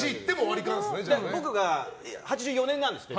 僕が８４年なんですよ。